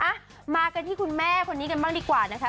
มากันที่คุณแม่คนนี้กันบ้างดีกว่านะคะ